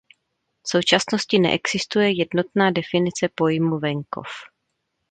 V současnosti neexistuje jednotná definice pojmu venkov.